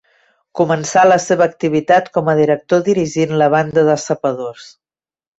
Començà la seva activitat com a director dirigint la Banda de Sapadors.